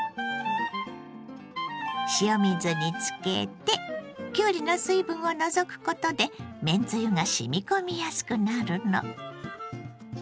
塩水につけてきゅうりの水分を除くことでめんつゆがしみ込みやすくなるの。